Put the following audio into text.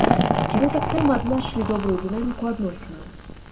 Яны таксама адзначылі добрую дынаміку адносінаў.